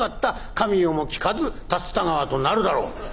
『神代もきかず竜田川』となるだろう？」。